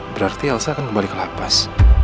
berarti elsa akan kembali ke lapas